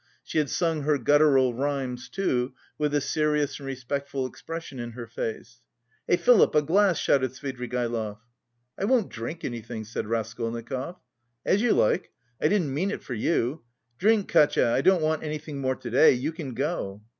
She had sung her guttural rhymes, too, with a serious and respectful expression in her face. "Hey, Philip, a glass!" shouted Svidrigaïlov. "I won't drink anything," said Raskolnikov. "As you like, I didn't mean it for you. Drink, Katia! I don't want anything more to day, you can go."